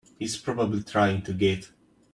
He's probably trying the gate!